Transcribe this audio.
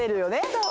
そう。